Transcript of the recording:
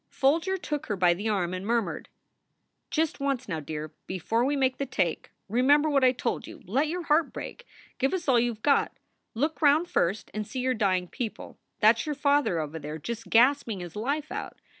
Folger took her by the arm and murmured :" Just once, now, dear, before we make the take. Remem ber what I told you. Let your heart break. Give us all you ve got. Look round first and see your dying people. That s your father over there just gasping his life out.